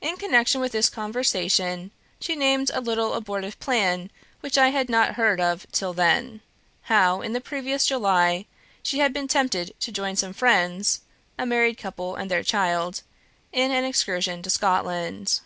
In connection with this conversation, she named a little abortive plan which I had not heard of till then; how, in the previous July, she had been tempted to join some friends (a married couple and their child) in an excursion to Scotland.